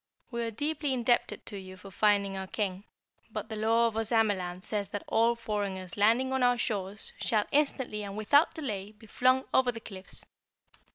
We are deeply indebted to you for finding our King, but the law of Ozamaland says that all foreigners landing on our shores shall instantly and without delay be flung over the cliffs.